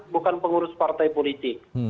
bukan pengurus partai politik